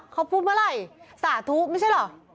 เขาพูดเมื่อไหร่สาธุไม่ใช่เหรอ